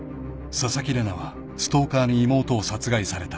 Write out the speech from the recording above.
［紗崎玲奈はストーカーに妹を殺害された］